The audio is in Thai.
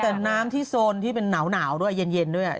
แต่น้ำที่โซนที่เป็นหนาวด้วยเย็นด้วย